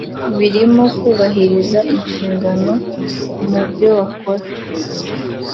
birimo kubahiriza inshingano mu byo bakora